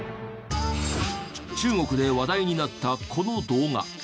中国で話題になったこの動画。